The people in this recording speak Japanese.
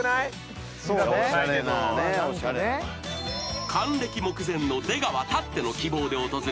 ［還暦目前の出川たっての希望で訪れたのは］